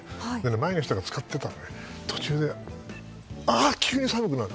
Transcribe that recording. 前の人が使ってたら途中で急に寒くなる。